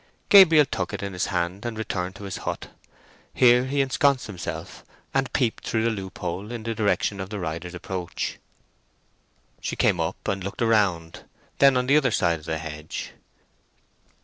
Gabriel took it in his hand and returned to his hut. Here he ensconced himself, and peeped through the loophole in the direction of the rider's approach. She came up and looked around—then on the other side of the hedge.